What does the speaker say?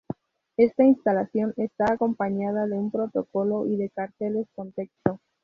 Esta instalación está acompañada de un protocolo y de carteles con texto.